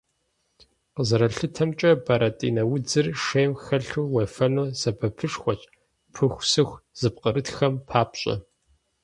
Къызэралъытэмкӏэ, бэрэтӏинэ удзыр шейм хэлъу уефэну сэбэпышхуэщ пыхусыху зыпкърытхэм папщӏэ.